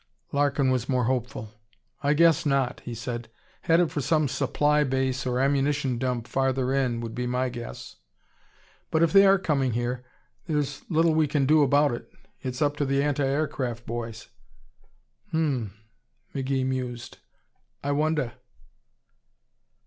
Larkin was more hopeful. "I guess not," he said. "Headed for some supply base or ammunition dump farther in, would be my guess. But if they are coming here, there's little we can do about it. It's up to the anti aircraft boys." "Hum m," McGee mused. "I wonder."